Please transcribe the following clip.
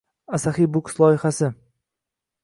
Asaxiy Books loyihasi www